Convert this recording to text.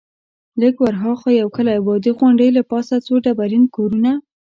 لږ ورهاخوا یو کلی وو، د غونډۍ له پاسه څو ډبرین کورونه.